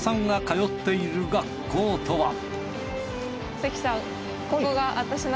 関さん。